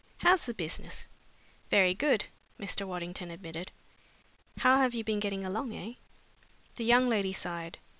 How's the business?" "Very good," Mr. Waddington admitted. "How have you been getting along, eh?" The young lady sighed.